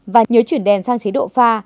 và nhớ chuyển đèn sang chế độ pha